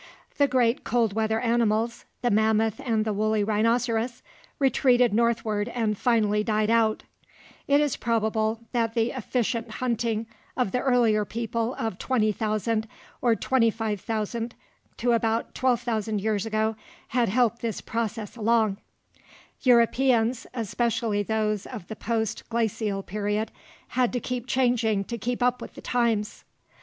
The great cold weather animals the mammoth and the wooly rhinoceros retreated northward and finally died out. It is probable that the efficient hunting of the earlier people of 20,000 or 25,000 to about 12,000 years ago had helped this process along (see p. 86). Europeans, especially those of the post glacial period, had to keep changing to keep up with the times.